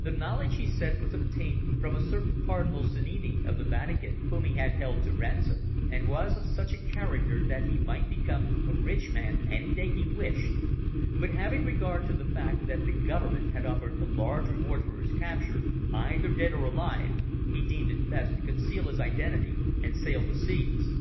The knowledge, he said, was obtained from a certain Cardinal Sannini of the Vatican whom he had held to ransom, and was of such a character that he might become a rich man any day he wished, but having regard to the fact that the Government had offered a large reward for his capture either dead or alive, he deemed it best to conceal his identity and sail the seas.